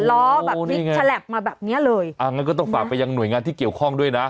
ล้อแบบพลิกฉลับมาแบบเนี้ยเลยอ่างั้นก็ต้องฝากไปยังหน่วยงานที่เกี่ยวข้องด้วยนะ